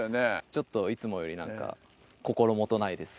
ちょっといつもよりなんか心もとないです